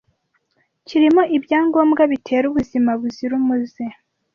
kirimo ibyangombwa bitera ubuzima buzira umuze